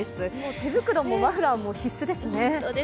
手袋もマフラーも必須ですね。